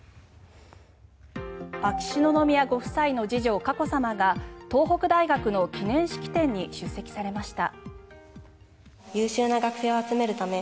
秋篠宮ご夫妻の次女・佳子さまが東北大学の記念式典に出席されました。